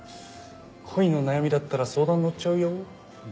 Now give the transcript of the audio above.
恋の悩みだったら相談乗っちゃうよ。